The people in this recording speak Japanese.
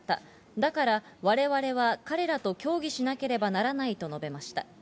だからわれわれは彼らと協議しなければならないと述べました。